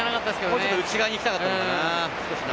もうちょっと内側に行きたかったな。